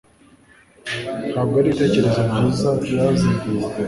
Ntabwo ari ibitekerezo byiza yazanye